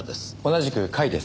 同じく甲斐です。